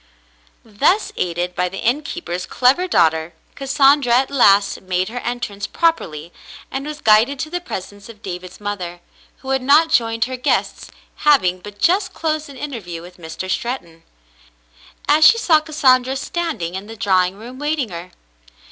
Thus, aided by the innkeeper's clever daughter, Cas sandra at last made her entrance properly and was guided to the presence of David's mother, who had not joined her guests, having but just closed an interview with Mr. Stret ton. As she saw Cassandra standing in the drawing room waiting her.